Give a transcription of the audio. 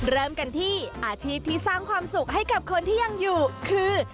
เริ่มกันที่อาชีพที่สร้างความสุขให้กับคนที่ยังอยู่คือ